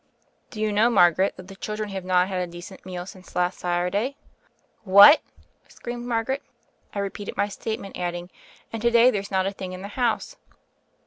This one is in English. "Do you know, Margaret, that the children have not had a decent meal since last Saturday?" "What I" screamed Margaret. I repeated my statement, adding: "And to day there's not a thing in the house."